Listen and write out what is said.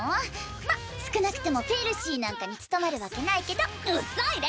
まっ少なくともフェルシーなんかに務まるわけないけどうっさいレネ！